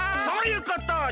そういうこと！